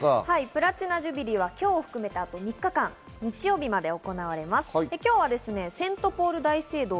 プラチナ・ジュビリーは今日を含めた３日間、日曜日まで行われます。